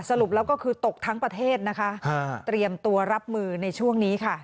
สรุปแล้วก็คือตกทั้งประเทศนะคะเตรียมตัวรับมือในช่วงนี้ค่ะ